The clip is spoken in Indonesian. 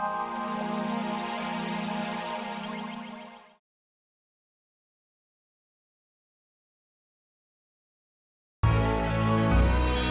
perhatikan apartments yang dibangun di sini